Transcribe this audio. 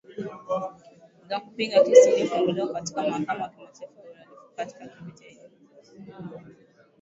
za kupinga kesi iliyo funguliwa katika mahakama ya kimataifa ya uhalifu wa kivita icc